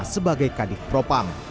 sebagai kadif propang